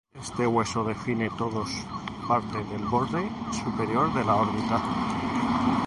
Este hueso define todos parte del borde superior de la órbita.